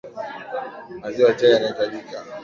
maziwa ya chai yanahitajika